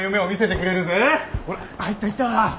ほら入った入った。